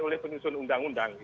oleh penyusun undang undang